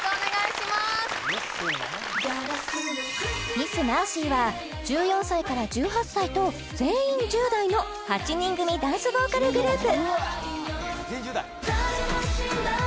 ＭＩＳＳＭＥＲＣＹは１４歳から１８歳と全員１０代の８人組ダンスボーカルグループ